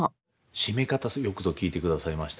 締め方よくぞ聞いてくださいました。